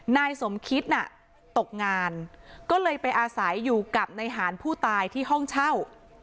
นายสมคิดน่ะตกงานก็เลยไปอาศัยอยู่กับนายหารผู้ตายที่ห้องเช่า